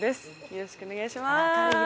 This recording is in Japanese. よろしくお願いします。